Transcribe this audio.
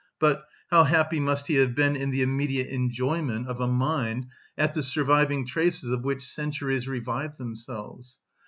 but, "How happy must he have been in the immediate enjoyment of a mind at the surviving traces of which centuries revive themselves!"